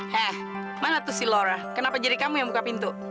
hah mana tuh si lora kenapa jadi kamu yang buka pintu